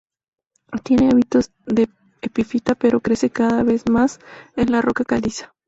Tiene hábitos de epifita pero crece cada vez más en la roca caliza.